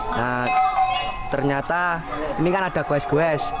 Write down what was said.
nah ternyata ini kan ada gues gues